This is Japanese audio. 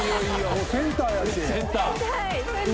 もうセンターだし。